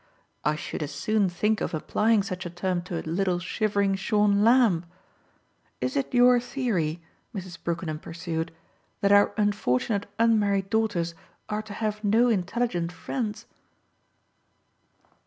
I should as soon think of applying such a term to a little shivering shorn lamb. Is it your theory," Mrs. Brookenham pursued, "that our unfortunate unmarried daughters are to have no intelligent friends?"